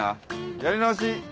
やり直し。